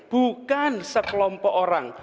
bukan sekelompok orang